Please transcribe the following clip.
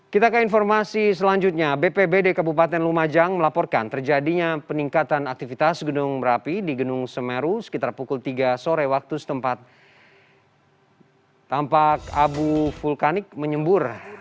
kita ke informasi selanjutnya bpbd kabupaten lumajang melaporkan terjadinya peningkatan aktivitas gunung merapi di gedung semeru sekitar pukul tiga sore waktu setempat tampak abu vulkanik menyembur